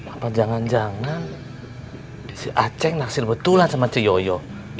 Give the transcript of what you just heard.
apa jangan jangan si aceh nasil betulan sama si yoyo